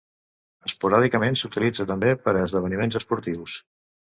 Esporàdicament s'utilitza també per a esdeveniments esportius.